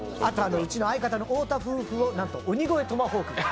うちの相方の太田夫婦をなんと鬼越トマホークが。